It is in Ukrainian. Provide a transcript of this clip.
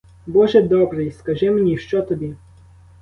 Боже добрий, скажи мені, що тобі?